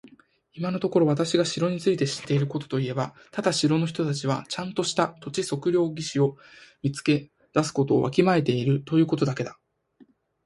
今のところ私が城について知っていることといえば、ただ城の人たちはちゃんとした土地測量技師を見つけ出すことをわきまえているということだけだ。